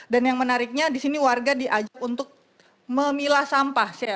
dan yang menariknya disini warga diajak untuk memilah sampah